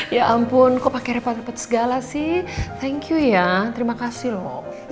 ya ampun kok pakai repot repot segala sih thank you ya terima kasih loh